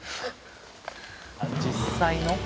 実際の？